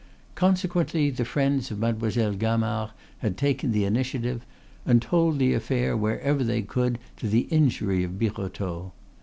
Consequently the friends of Mademoiselle Gamard had taken the initiative, and told the affair wherever they could to the injury of Birotteau.